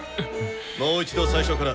もう一度最初から。